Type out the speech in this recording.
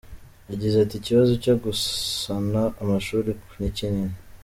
Yagize ati “Ikibazo cyo gusana amashuri ni kinini.